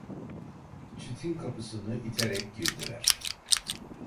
Çitin kapısını iterek girdiler.